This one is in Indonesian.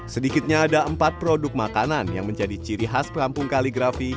sedikitnya ada empat produk makanan yang menjadi ciri khas kampung kaligrafi